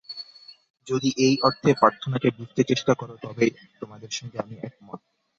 যদি এই অর্থে প্রার্থনাকে বুঝতে চেষ্টা কর, তবেই তোমাদের সঙ্গে আমি একমত।